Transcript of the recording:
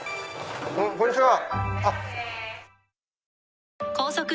こんにちは。